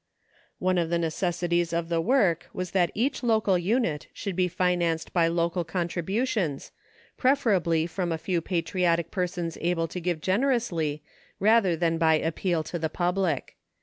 One of the necessities of the work was that each local unit should be financed by local contributions, prefer ably from a few patriotic persons able to give gen erously rather than by appeal to the public.